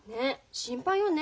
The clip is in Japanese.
心配よね。